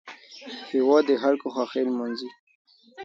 هېواد د خلکو خوښۍ لمانځي